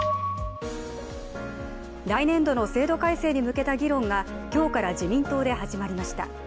来年度の制度改正に向けた議論が今日から自民党で始まりました。